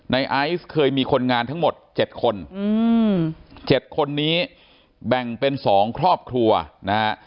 ไอซ์เคยมีคนงานทั้งหมด๗คน๗คนนี้แบ่งเป็น๒ครอบครัวนะฮะ